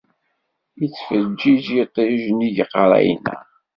Yettfeǧǧij yiṭij nnig iqerra-nneɣ.